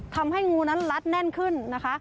ทำให้งูนั้นลัดแน่นขึ้นนะคะ